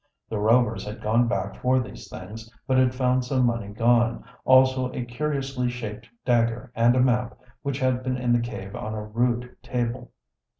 The Rovers had gone back for these things, but had found some money gone, also a curiously shaped dagger and a map, which had been in the cave on a rude table.